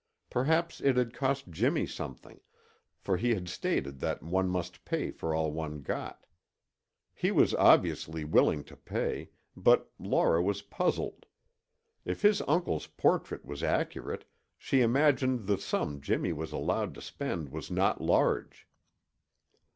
Perhaps it had cost Jimmy something, for he had stated that one must pay for all one got. He was obviously willing to pay, but Laura was puzzled. If his uncle's portrait was accurate, she imagined the sum Jimmy was allowed to spend was not large.